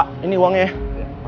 pak ini uangnya